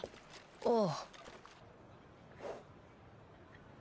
ああ。